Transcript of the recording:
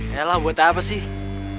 yelah buat apa sih